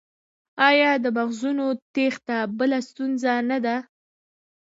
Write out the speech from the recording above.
آیا د مغزونو تیښته بله ستونزه نه ده؟